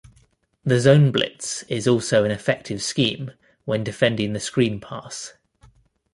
The zone blitz is also an effective scheme when defending the screen pass.